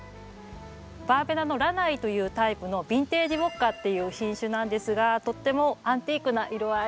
バーベナのラナイというタイプのヴィンテージウォッカっていう品種なんですがとってもアンティークな色合い。